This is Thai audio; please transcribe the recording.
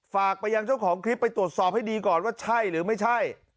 ฝากไปยังเจ้าของคลิปไปตรวจสอบให้ดีก่อนว่าใช่หรือไม่ใช่